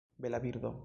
Bela birdo!